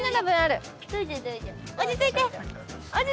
落ち着いて。